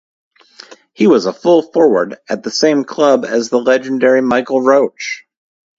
He was a full-forward at the same club as the legendary Michael Roach.